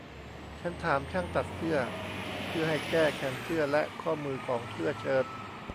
ฉันถามช่างตัดเสื้อเพื่อให้แก้แขนเสื้อและข้อมือของเสื้อเชิ้ต